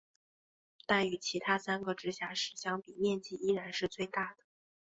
但与其他三个直辖市相比面积依然是最大的。